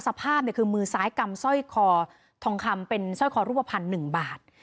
สภาพคือมือซ้ายกำสร้อยคอทองคำเป็นสร้อยคอรูปภัณฑ์๑บาท